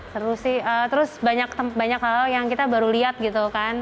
seru sih terus banyak hal hal yang kita baru lihat gitu kan